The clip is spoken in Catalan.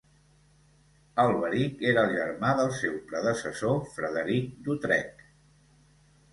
Alberic era el germà del seu predecessor Frederic d'Utrecht.